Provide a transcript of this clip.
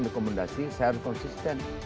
rekomendasi saya harus konsisten